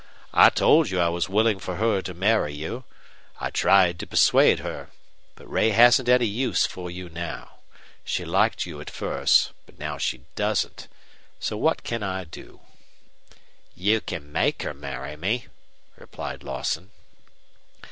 I told you I was willing for her to marry you. I tried to persuade her. But Ray hasn't any use for you now. She liked you at first. But now she doesn't. So what can I do?" "You can make her marry me," replied Lawson.